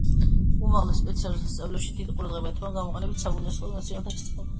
უმაღლეს სპეციალურ სასწავლებლებში დიდი ყურადღება ეთმობა გამოყენებით საბუნებისმეტყველო მეცნიერებათა შესწავლას.